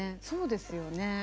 そうですよね。